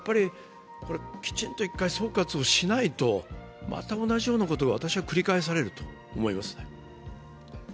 きちんと１回、総括をしないとまた同じようなことが繰り返されると思いますね。